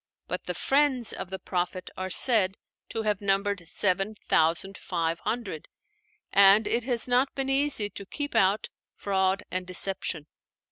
But the "friends" of the Prophet are said to have numbered seven thousand five hundred, and it has not been easy to keep out fraud and deception.